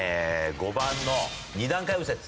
５番の「二段階右折」。